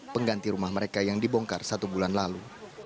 pengganti rumah mereka yang dibongkar satu bulan lalu